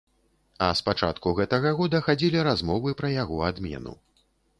А з пачатку гэтага года хадзілі размовы пра яго адмену.